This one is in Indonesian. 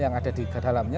yang ada di dalamnya